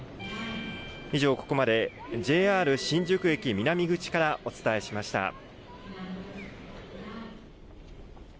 以上ここまでＪＲ新宿駅南口からお伝えしました。